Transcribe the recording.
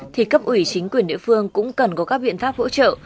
thì cấp ủy chính quyền địa phương cũng cần có các biện pháp hỗ trợ